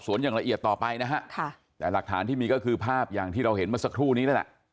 ส่วนอย่างละเอียดต่อไปนะฮะค่ะแต่หลักฐานที่มีก็คือภาพอย่างที่เราเห็นเมื่อสักครู่นี้นั่นแหละ